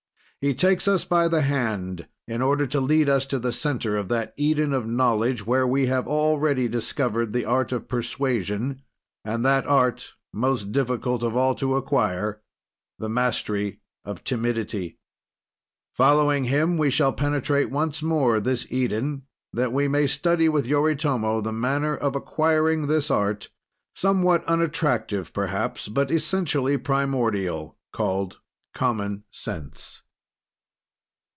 He takes us by the hand, in order to lead us to the center of that Eden of Knowledge where we have already discovered the art of persuasion, and that art, most difficult of all to acquire the mastery of timidity. Following him, we shall penetrate once more this Eden, that we may study with Yoritomo the manner of acquiring this art somewhat unattractive perhaps but essentially primordial called Common Sense.